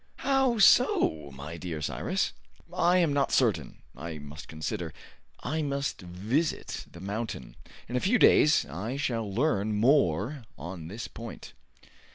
"How so, my dear Cyrus?' "I am not certain. I must consider. I must visit the mountain. In a few days I shall learn more on this point."